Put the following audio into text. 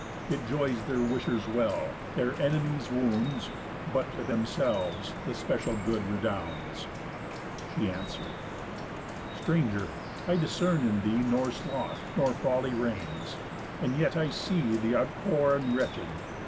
It joys their wishers well, their enemies wounds, But to themselves the special good redounds." She answer'd: "Stranger! I discern in thee Nor sloth, nor folly, reigns; and yet I see Th' art poor and wretched.